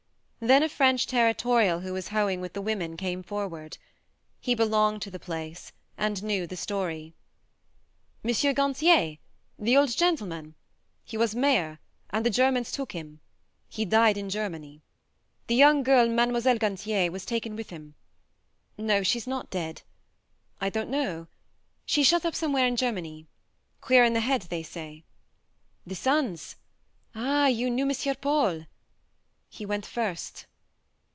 Then a French territorial who was hoeing with the women came forward. He belonged to the place and knew the story. " M. Gantier the old gentleman ? He was mayor, and the Germans took him. He died in Germany. The young girl Mile. Gantier was taken with him. No, she's not dead. ... I don't know. ... She's shut up somewhere in Germany ... queer in the head, they say. ... The sons ah, you knew Monsieur Paul? He went first.